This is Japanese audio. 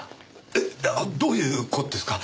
えどういう事ですか？